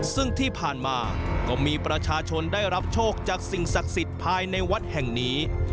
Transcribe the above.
ซึ่งที่ผ่านมาก็มีประชาชนได้รับโชคจากสิ่งศักดิ์สิทธิ์ภายในวัดแห่งนี้